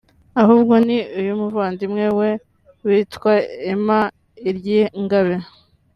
ahubwo ni iy’umuvandimwe we witwa Emma Iryingabe